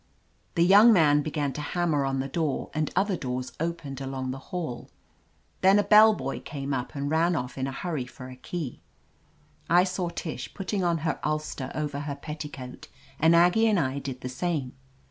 The young man began to hammer on the door and other doors opened along the hall. Then a bell boy came up and ran off in a hurry for a key. I saw Tish putting on her ulster over her petti coat, and Aggie and I did the same.